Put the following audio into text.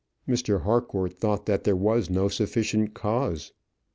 Mr. Harcourt thought that there was no sufficient cause.